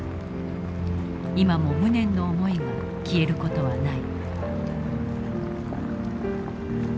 今も無念の思いが消える事はない。